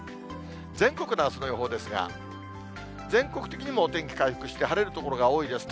全国のあすの予報ですが、全国的にもお天気回復して、晴れる所が多いです。